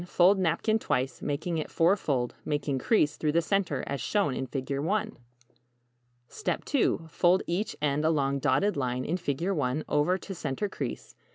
Fold napkin twice, making it fourfold. Make crease through the center, as shown in =Figure I= 2. Fold each end along dotted line in =Figure I= over to center crease.